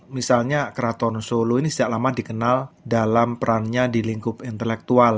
misalnya keraton solo ini sejak lama dikenal dalam perannya di lingkup intelektual